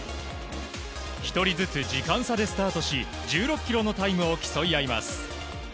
１人ずつ時間差でスタートし１６ｋｍのタイムを競い合います。